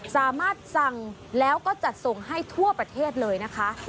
สามารถสั่งแล้วก็จัดส่งให้ทั่วประเทศเลยนะคะ